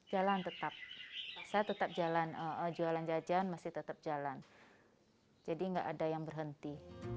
jalan tetap saya tetap jalan jualan jajan masih tetap jalan jadi nggak ada yang berhenti